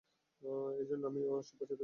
এইজন্যে আমি সব বাচ্চাদের জিম্মি করে রেখেছি।